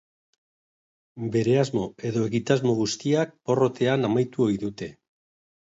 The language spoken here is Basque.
Bere asmo edo egitasmo guztiak porrotean amaitu ohi dute.